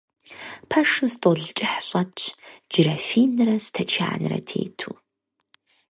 Пэшым стӀол кӀыхь щӀэтщ джырафинрэ стэчанрэ тету.